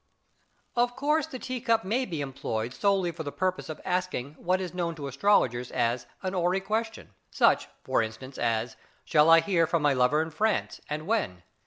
Of course the tea cup may be employed solely for the purpose of asking what is known to astrologers as 'a horary question', such, for instance, as 'Shall I hear from my lover in France, and when?'